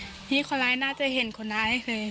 นี่คนร้ายน่าจะเห็นคนร้ายคือ